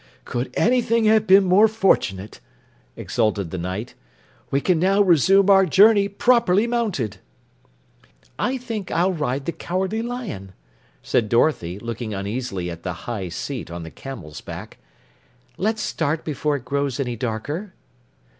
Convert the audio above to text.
"Could anything have been more fortunate?" exulted the Knight. "We can now resume our journey properly mounted." "I think I'll ride the Cowardly Lion," said Dorothy, looking uneasily at the high seat on the camel's back. "Let's start before it grows any darker."